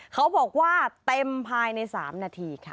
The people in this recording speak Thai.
เขาบอกว่าเต็มภายใน๓นาทีค่ะ